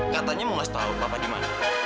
katanya mau ngasih tahu papa di mana